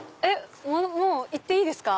もう行っていいですか？